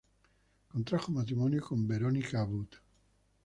Contrajo matrimonio con Verónica Abud.